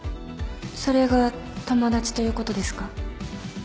それが友達ということですか？